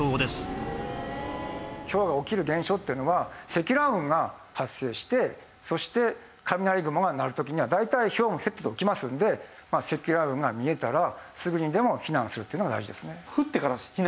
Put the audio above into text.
ひょうが起きる現象っていうのは積乱雲が発生してそして雷雲が鳴る時には大体ひょうがセットで起きますので積乱雲が見えたらすぐにでも避難するっていうのが大事ですね。